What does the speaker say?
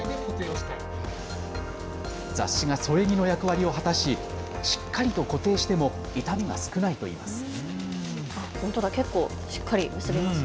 雑誌が添え木の役割を果たししっかりと固定しても痛みが少ないといいます。